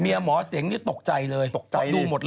เมียหมอเสงนี่ตกใจเลยพ่อดูหมดเลย